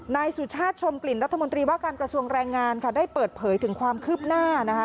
นายสุชาติชมกลิ่นรัฐมนตรีว่าการกระทรวงแรงงานค่ะได้เปิดเผยถึงความคืบหน้านะคะ